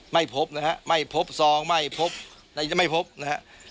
ไม่พบนะครับไม่พบซองไม่พบไม่พบนะครับ